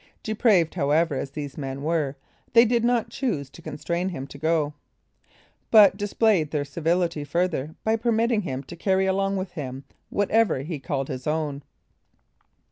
Depraved, however, as these men were, they did not choose to constrain him to go, but displayed their civility further, by permitting him to carry along with him whatever he called his own.